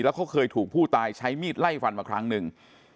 เขาเคยถูกผู้ตายใช้มีดไล่ฟันมาครั้งหนึ่ง